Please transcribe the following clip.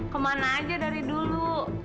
kemana aja dari dulu